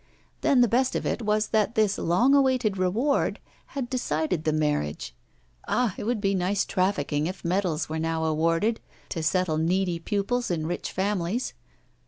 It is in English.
Then the best of it was that this long awaited reward had decided the marriage. Ah! it would be nice trafficking if medals were now awarded to settle needy pupils in rich families!